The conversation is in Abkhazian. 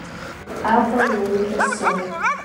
Аҟәа иауит асы.